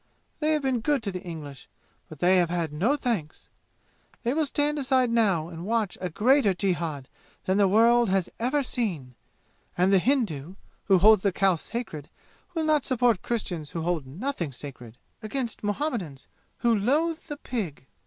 They have been good to the English, but they have had no thanks. They will stand aside now and watch a greater jihad than the world has ever seen! And the Hindu, who holds the cow sacred, will not support Christians who hold nothing sacred, against Muhammadans who loathe the pig!